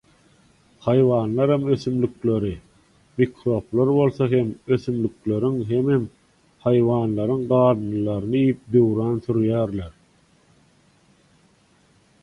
haýwanlaram ösümlikleri, mikroplar bolsa hem ösümlikleriň hemem haýwanlaryň galyndylaryny iýip döwran sürýärler.